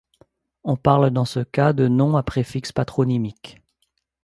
On parle dans ce cas de nom à préfixe patronymique.